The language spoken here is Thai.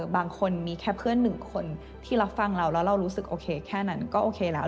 บางคนมีแค่เพื่อนหนึ่งคนที่รับฟังเราแล้วเรารู้สึกโอเคแค่นั้นก็โอเคแล้ว